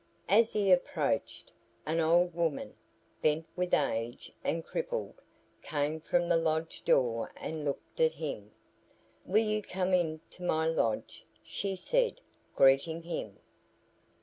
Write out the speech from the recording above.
As he approached, an old woman, bent with age and crippled, came from the lodge door and looked at him. "Will you come into my lodge?" she said, greeting him.